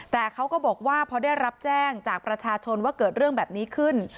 แต่เขาก็บอกว่าพอได้รับแจ้งจากประชาชนว่าเกิดเรื่องแบบนี้ขึ้น